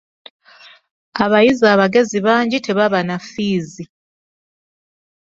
Abayizi abagezi bangi tebaba na ffiizi.